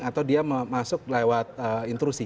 atau dia masuk lewat intrusi